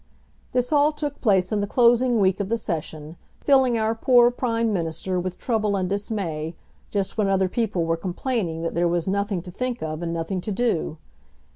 This all took place in the closing week of the Session, filling our poor Prime Minister with trouble and dismay, just when other people were complaining that there was nothing to think of and nothing to do.